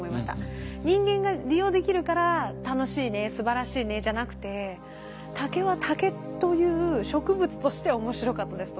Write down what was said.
人間が利用できるから楽しいねすばらしいねじゃなくて竹は竹という植物として面白かったです。